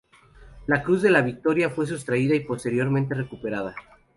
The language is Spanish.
La cruz de la Victoria fue sustraída y posteriormente recuperada.